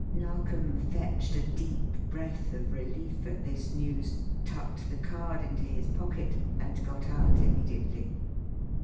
Narkom fetched a deep breath of relief at this news, tucked the card into his pocket, and got out immediately.